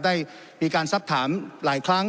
ได้มีการสักถามหลายครั้ง